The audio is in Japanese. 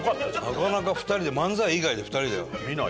なかなか２人で漫才以外で２人で。